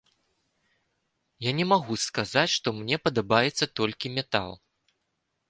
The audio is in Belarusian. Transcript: Я не магу сказаць, што мне падабаецца толькі метал.